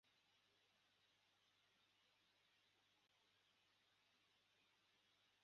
karekezi na mariya bari hano mbere